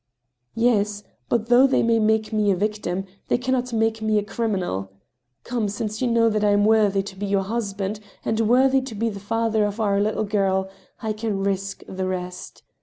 " Yes, but though they may make me a victim, they can not make me a criminal. Come, since you know that I am Worthy to be your husband, and worthy to be the father of our little girl, I can risk the rest.